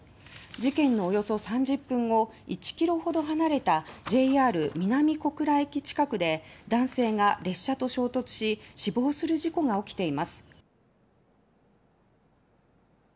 事件のおよそ３０分後１ｋｍほど離れたＪＲ南小倉駅近くで男性が列車と衝突し死亡する事故が起きています。